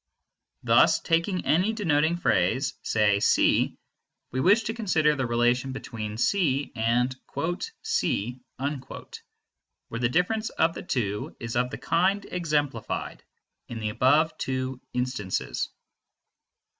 Thus taking any denoting phrase, say C, we wish to consider the relation between C and "C," where the difference of the two is of the kind exemplified in the above two instances.